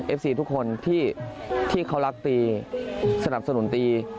ซีทุกคนที่เขารักตีสนับสนุนตี